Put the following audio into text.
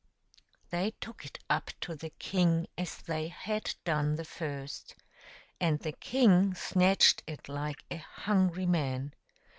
They took it up to the king as they had done the first. And the king snatched it like a hungry man.